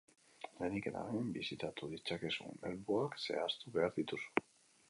Lehenik eta behin, bisitatu ditzakezun helmugak zehaztu behar dituzu.